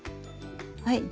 はい。